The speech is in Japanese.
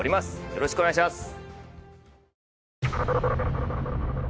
よろしくお願いします